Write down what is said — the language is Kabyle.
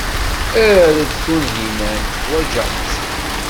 Err-d Tunhinan, ḥwajeɣ-tt.